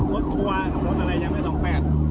รถทัวร์รถอะไรยังไม่ส่องแปด